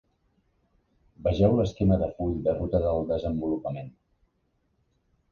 Vegeu l'esquema de full de ruta del desenvolupament.